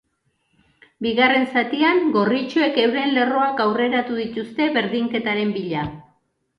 Bigarren zatian, gorritxoek euren lerroak aurreratu dituzte berdinketaren bila.